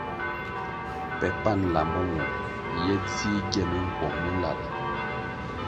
Pe pan nlambo nwong ye dzih gie minkuong mi nlal.